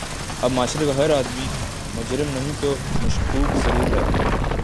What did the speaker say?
اب معاشرے کا ہر آدمی مجرم نہیں تو مشکوک ضرور ہے۔